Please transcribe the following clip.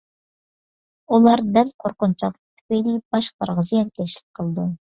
ئۇلار دەل قورقۇنچاقلىقى تۈپەيلى باشقىلارغا زىيانكەشلىك قىلىدۇ.